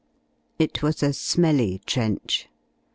It was a smelly trench.